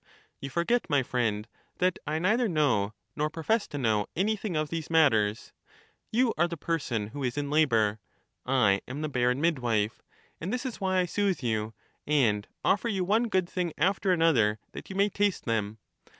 You forget, my friend, that I neither know, nor profess to know, an3rthing of these matters; you are the person who is in labour, I am the barren midwife ; and this is why I soothe you, and offer you one good thing afler another, that you may taste them.